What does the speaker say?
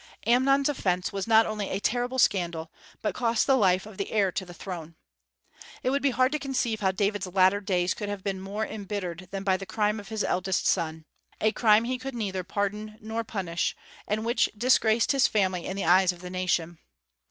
Amnon's offence was not only a terrible scandal, but cost the life of the heir to the throne. It would be hard to conceive how David's latter days could have been more embittered than by the crime of his eldest son, a crime he could neither pardon nor punish, and which disgraced his family in the eyes of the nation.